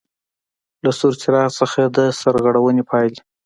له سور څراغ څخه د سرغړونې پاېلې: